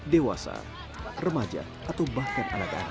dewasa remaja atau bahkan anak anak